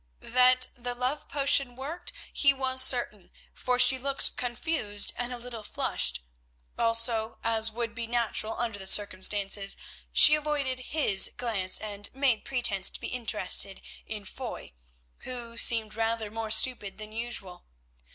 That the love potion worked he was certain, for she looked confused and a little flushed; also, as would be natural under the circumstances, she avoided his glance and made pretence to be interested in Foy, who seemed rather more stupid than usual.